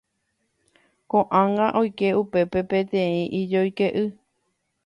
Koʼág̃a oiko upépe peteĩ ijoykeʼy.